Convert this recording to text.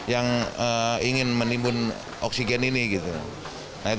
yang ingin menimbun oksigen ini gitu